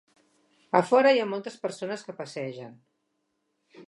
A fora, hi ha moltes persones que passegen.